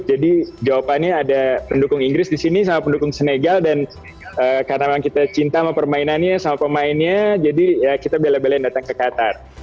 jadi jawabannya ada pendukung inggris di sini sama pendukung senegal dan karena memang kita cinta sama permainannya sama pemainnya jadi ya kita bela belain datang ke qatar